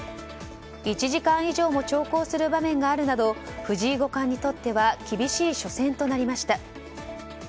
１時間以上も長考する場面があるなど藤井五冠にとっては厳しい初戦となりました。